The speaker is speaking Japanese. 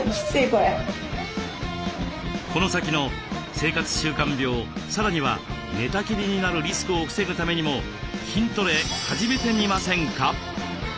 この先の生活習慣病さらには寝たきりになるリスクを防ぐためにも筋トレ始めてみませんか？